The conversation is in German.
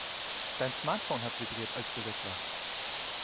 Dein Smartphone hat vibriert, als du weg warst.